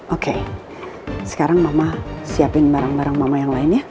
oke sekarang mama siapin barang barang mama yang lainnya